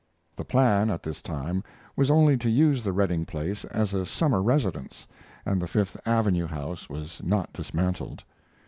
The plan, at this time, was only to use the Redding place as a summer residence, and the Fifth Avenue house was not dismantled.